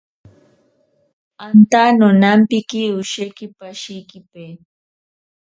Anta nonampiki osheki pashikipe.